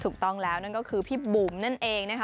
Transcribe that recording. ถูกต้องแล้วนั่นก็คือพี่บุ๋มนั่นเองนะคะ